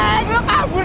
dek lo kabur